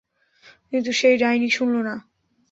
কিন্তু সেই ডাইনি শুনল না।